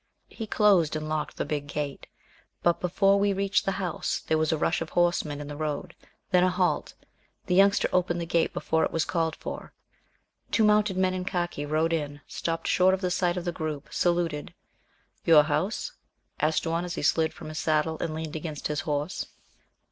He closed and locked the big gate, but before we reached the house, there was a rush of horsemen in the road then a halt the Youngster opened the gate before it was called for. Two mounted men in Khaki rode in, stopped short at the sight of the group, saluted. "Your house?" asked one, as he slid from his saddle and leaned against his horse.